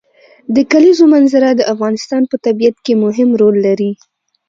د کلیزو منظره د افغانستان په طبیعت کې مهم رول لري.